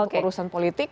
untuk urusan politik